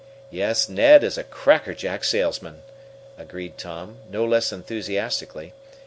"Yes, Ned is a crackerjack salesman!" agreed Tom, no less enthusiastically.